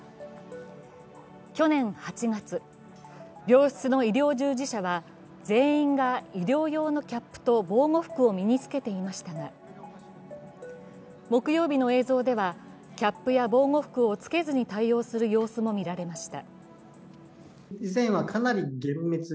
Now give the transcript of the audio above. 去年８月、病室の医療従事者は全員が医療用のキャップと防護服を身につけていましたが木曜日の映像では、キャップや防護服をつけずに対応する様子もみられました。